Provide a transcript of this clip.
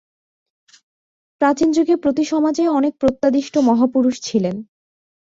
প্রাচীন যুগে প্রতি সমাজেই অনেক প্রত্যাদিষ্ট মহাপুরুষ ছিলেন।